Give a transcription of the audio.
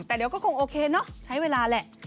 แต่เดี๋ยวก็คงโอเคเนอะใช้เวลาแหละ